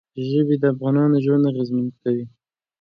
ژبې د افغانانو ژوند اغېزمن کوي.